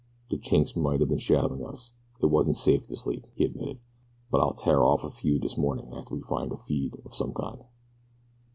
"De Chinks might o' been shadowin' us it wasn't safe to sleep," he admitted; "but I'll tear off a few dis mornin' after we find a feed of some kind."